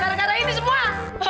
gara gara ini semua